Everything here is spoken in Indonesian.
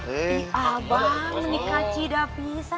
eh abang nikah tidak bisa